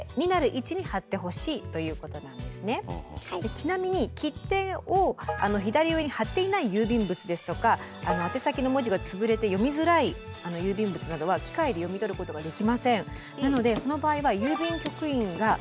ちなみに切手を左上に貼っていない郵便物ですとか宛先の文字がつぶれて読みづらい郵便物などは機械で読み取ることができません。